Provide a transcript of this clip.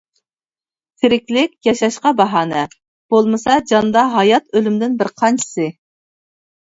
تىرىكلىك-ياشاشقا باھانە، بولمىسا جاندا ھايات ئۆلۈمدىن بىر قانچىسى.